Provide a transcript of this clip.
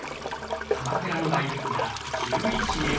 鎌倉の大仏が１１ｍ。